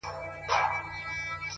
• چي یې منکر دی هغه نادان دی,